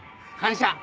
感謝。